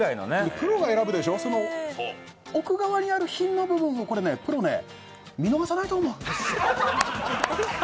プロが選ぶでしょ、その奥側にある品を見逃さないと思う。